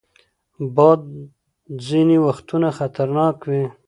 باد ځینې وختونه خطرناک وي